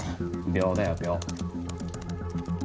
秒だよ秒。